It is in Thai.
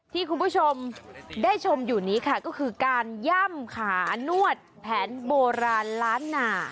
ที่คุณผู้ชมได้ชมอยู่นี้ค่ะก็คือการย่ำขานวดแผนโบราณล้านหนา